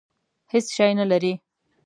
هېڅ شی نه لري.